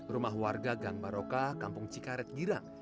rumah warga gangbaroka kampung cikaret girang